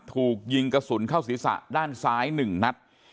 ถูกยิงกระสุนเข้าศีรษะด้านซ้าย๑นัด